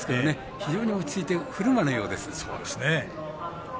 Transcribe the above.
非常に落ち着いて古馬のようです。